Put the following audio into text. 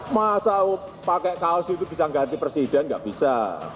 masa pakai kaos itu bisa ganti presiden nggak bisa